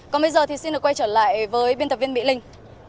còn bây giờ thì xin được quay trở lại với biên tập viên mỹ linh